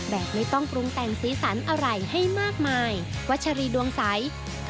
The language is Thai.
แบบไม่ต้องปรุงแต่งสีสันอะไรให้มากมาย